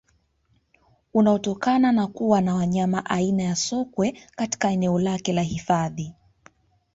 Unaotokana na kuwa na wanyama aina ya Sokwe katika eneo lake la hifadhi